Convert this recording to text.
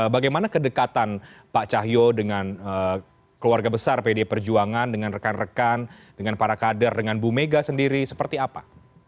bagaimana kedekatan pak cahyo dengan keluarga besar pd perjuangan dengan rekan rekan dengan para kader dengan bu mega sendiri seperti apa